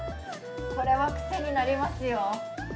これは癖になりますよ。